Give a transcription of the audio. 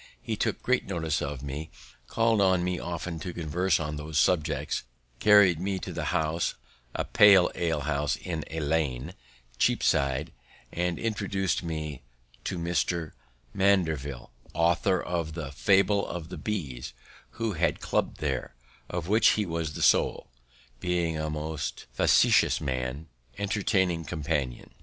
He took great notice of me, called on me often to converse on those subjects, carried me to the Horns, a pale alehouse in Lane, Cheapside, and introduced me to Dr. Mandeville, author of the "Fable of the Bees," who had a club there, of which he was the soul, being a most facetious, entertaining companion.